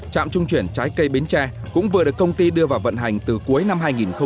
trạm trung chuyển trái cây bến tre cũng vừa được công ty đưa vào vận hành từ cuối năm hai nghìn một mươi chín